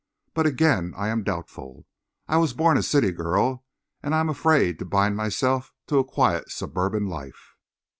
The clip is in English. But, again, I am doubtful. I was born a city girl, and I am afraid to bind myself to a quiet suburban life."